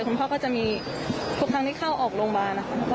คุณพ่อก็จะมีทุกครั้งที่เข้าออกโรงพยาบาลนะคะ